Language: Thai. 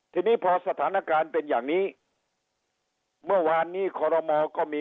ทีนี้พอสถานการณ์เป็นอย่างนี้เมื่อวานนี้คอรมอก็มี